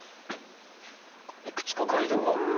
いくつかガイドが。